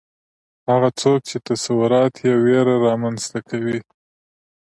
هغه څوک چې تصورات یې ویره رامنځته کوي